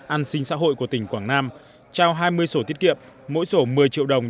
an sinh xã hội của tỉnh quảng nam trao hai mươi sổ tiết kiệm mỗi sổ một mươi triệu đồng